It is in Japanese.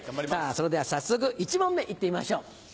それでは早速１問目行ってみましょう。